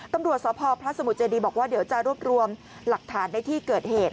ตำรวจสพพระสมุทรเจดีบอกว่าเดี๋ยวจะรวบรวมหลักฐานในที่เกิดเหตุ